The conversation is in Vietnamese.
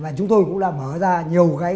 và chúng tôi cũng đã mở ra nhiều cái